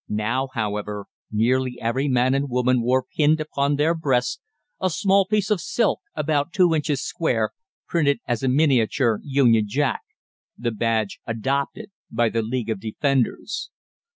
Now, however, nearly every man and woman wore pinned upon their breasts a small piece of silk about two inches square, printed as a miniature Union Jack the badge adopted by the League of Defenders.